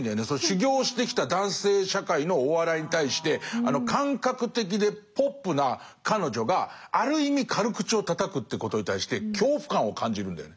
修業してきた男性社会のお笑いに対してあの感覚的でポップな彼女がある意味軽口をたたくってことに対して恐怖感を感じるんだよね。